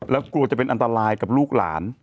แล้วกลัวจะเป็นอันตรายกับลูกหลาน